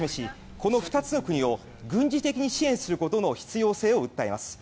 この２つの国を軍事的に支援することの必要性を訴えます。